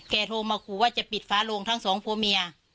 โทรมาขู่ว่าจะปิดฟ้าโรงทั้งสองผัวเมีย